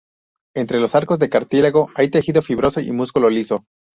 Entre los arcos de cartílago hay tejido fibroso y músculo liso.